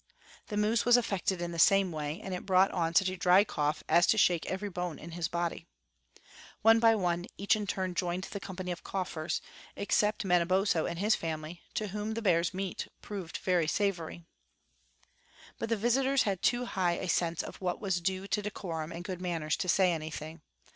The moose was affected in the same way, and it brought on such a dry cough as to shake every bone in his body. One by one, each in turn joined the company of coughers, except Manabozho and his family, to whom the bear's meat proved very savory. But the visitors had too high a sense of what was due to decorum and good manners to say anything.